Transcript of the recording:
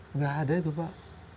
nggak ada itu pak